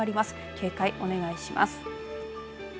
警戒をお願いします。